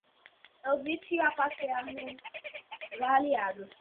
Eu vi-te a passear nos Aliados